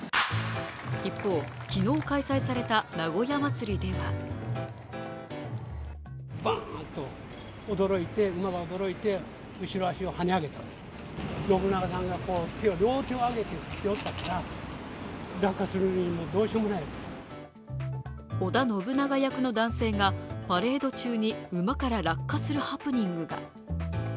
一方、昨日開催された名古屋まつりでは織田信長役の男性がパレード中に馬から落下するハプニングが。